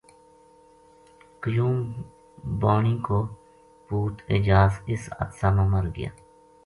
قیوم بانی کو پُوت اعجاز اس حاد ثہ ما مر گیا